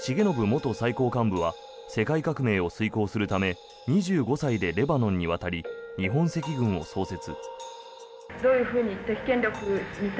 元最高幹部は世界革命を遂行するため２５歳でレバノンに渡り日本赤軍を創設。